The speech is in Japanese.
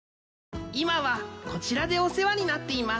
「今はこちらでお世話になっています」